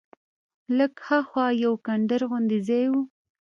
لږ ها خوا یو کنډر غوندې ځای و.